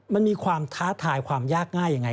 มันมีความท้าทายความยากง่ายยังไง